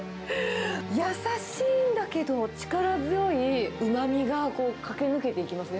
優しいんだけど、力強いうまみがこう、駆け抜けていきますね。